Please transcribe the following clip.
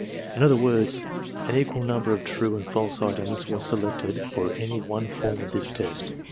In other words, an equal number of true and false items was selected for any one form of this test.